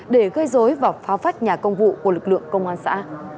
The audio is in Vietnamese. để gây dối và phách nhà công vụ của lực lượng công an xã